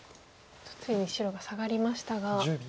ついに白がサガりましたが。